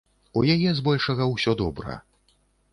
У яе з большага ўсё добра.